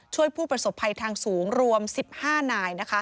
ผู้ประสบภัยทางสูงรวม๑๕นาย